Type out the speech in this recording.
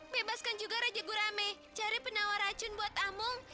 bebaskan juga raja gurame jari penawar racun buat amung